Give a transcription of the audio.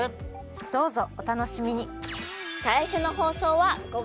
どうぞおたのしみに！